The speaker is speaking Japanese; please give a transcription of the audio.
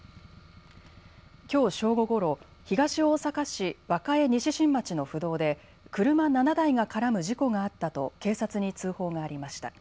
きょう正午ごろ、東大阪市若江西新町の府道で車７台が絡む事故があったと警察に通報がありました。